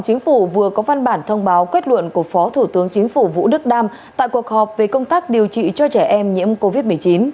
đó là quyết luận của phó thủ tướng chính phủ vũ đức đam tại cuộc họp về công tác điều trị cho trẻ em nhiễm covid một mươi chín